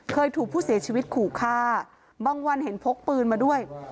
เคยถูกผู้เสียชีวิตขู่ฆ่าบางวันเห็นพกปืนมาด้วย